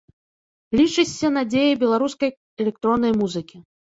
Лічышся надзеяй беларускай электроннай музыкі.